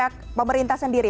dari pihak pemerintah sendiri